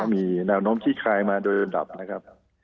มีแนวน้ำขี้คลายมาโดยดับ